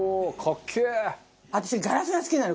私ガラスが好きなの。